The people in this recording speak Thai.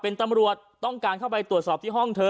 เป็นตำรวจต้องการเข้าไปตรวจสอบที่ห้องเธอ